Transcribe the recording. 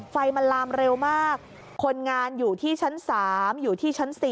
ไฟมันลามเร็วมากคนงานอยู่ที่ชั้น๓อยู่ที่ชั้น๔